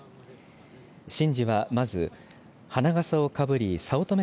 神事はまず花がさをかぶり早乙女